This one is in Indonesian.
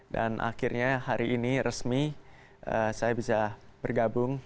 dan akhirnya hari ini resmi saya bisa bergabung